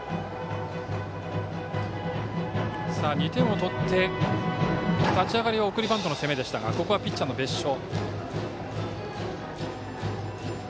２点を取って立ち上がりは送りバントの攻めでしたがここはピッチャーの別所。